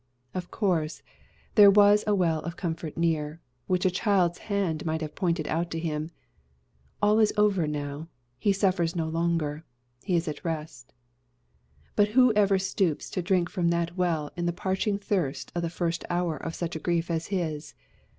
Of course, there was a well of comfort near, which a child's hand might have pointed out to him: "All is over now; he suffers no longer he is at rest." But who ever stoops to drink from that well in the parching thirst of the first hour of such a grief as his?